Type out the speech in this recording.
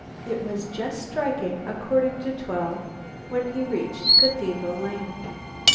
It was just striking a quarter to twelve when he reached Cathedral Lane.